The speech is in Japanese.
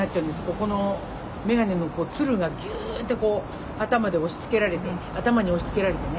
「ここの眼鏡のつるがギューッて頭で押しつけられて頭に押しつけられてね」